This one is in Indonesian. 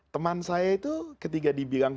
teman saya itu ketika dibilang